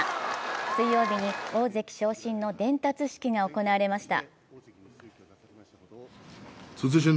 水曜日に大関昇進の伝達式が行われました。